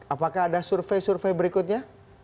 apakah ada survei survei berikutnya